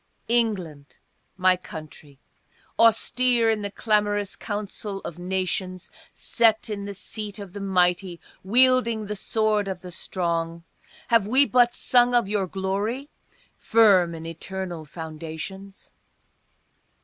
ENGLAND, my country, austere in the clamorous council of nations, Set in the seat of the mighty, wielding the sword of the strong, Have we but sung of your glory, firm in eternal foundations?